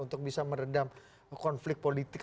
untuk bisa meredam konflik politik